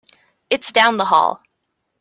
It's down the hall.